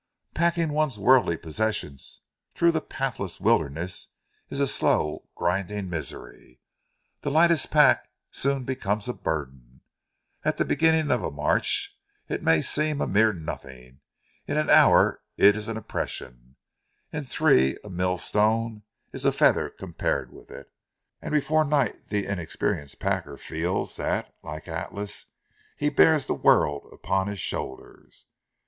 Packing one's worldly possessions through the pathless wilderness is a slow, grinding misery. The lightest pack soon becomes a burden. At the beginning of a march it may seem a mere nothing, in an hour it is an oppression; in three a millstone is a feather compared with it; and before night the inexperienced packer feels that, like Atlas, he bears the world upon his shoulders.